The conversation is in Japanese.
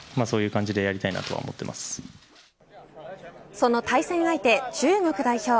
その対戦相手、中国代表。